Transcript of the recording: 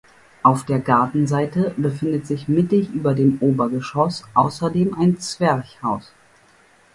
Auf der Gartenseite befindet sich mittig über dem Obergeschoss außerdem ein Zwerchhaus.